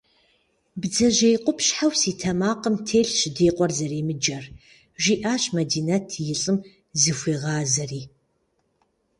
Бдзэжьей къупщхьэу си тэмакъым телъщ ди къуэр зэремыджэр, – жиӀащ Мадинэт, и лӀым зыхуигъазэри.